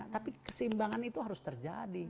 tapi keseimbangan itu harus terjadi